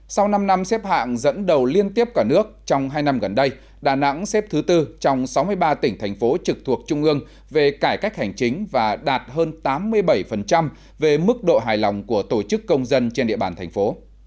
sau năm năm xếp hạng dẫn đầu liên tiếp cả nước trong hai năm gần đây đà nẵng xếp thứ tư trong sáu mươi ba tỉnh thành phố trực thuộc trung ương về cải cách hành chính và đạt hơn tám mươi bảy về mức độ hài lòng của tổ chức công dân trên địa bàn thành phố